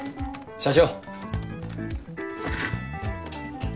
社長！